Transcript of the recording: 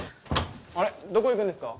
あれどこ行くんですか？